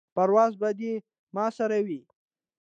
پرواز به دې ما سره وي.